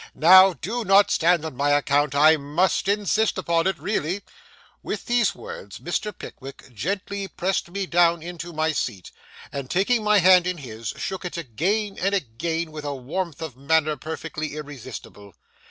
Now, do not stand on my account. I must insist upon it, really.' With these words Mr. Pickwick gently pressed me down into my seat, and taking my hand in his, shook it again and again with a warmth of manner perfectly irresistible.